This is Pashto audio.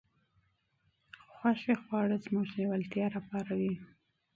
خوښې خواړه زموږ لېوالتیا راپاروي.